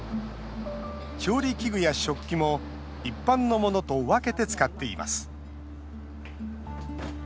調理器具や食器も一般のものと分けて使っています。